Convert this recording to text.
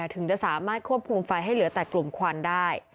ถึงจะสามารถควบคุมไฟให้เหลือแต่กลุ่มควันได้